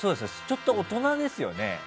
ちょっと大人ですよね。